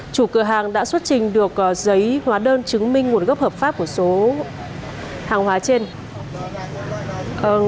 chủ cửa hàng đã xuất trình được giấy hóa đơn chứng minh nguồn gốc hợp pháp của số hàng hóa trên